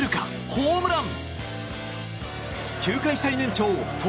ホームラン。